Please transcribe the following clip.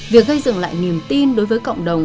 việc gây dựng lại niềm tin đối với cộng đồng